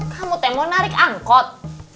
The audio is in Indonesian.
kamu ternyata mau narik angkot